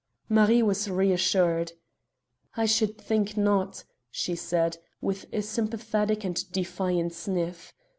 Marie was reassured. "I should think not," she said, with a sympathetic and defiant sniff.